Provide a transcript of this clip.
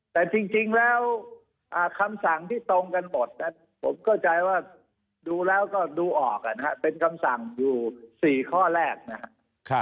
แต่จริงแล้วคำสั่งที่ตรงกันหมดผมเข้าใจว่าดูแล้วก็ดูออกนะครับเป็นคำสั่งอยู่๔ข้อแรกนะครับ